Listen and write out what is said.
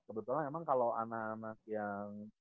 kebetulan emang kalo anak anak yang